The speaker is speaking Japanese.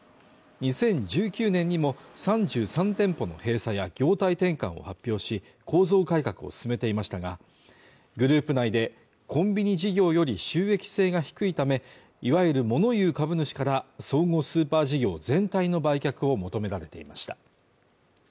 ２０１９年にも３３店舗の閉鎖や業態転換を発表し、構造改革を進めていましたが、グループ内でコンビニ事業より収益性が低いため、いわゆる物言う株主から総合スーパー事業全体の売却を求められていました。